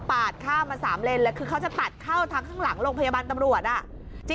ข้ามมา๓เลนแล้วคือเขาจะตัดเข้าทางข้างหลังโรงพยาบาลตำรวจอ่ะ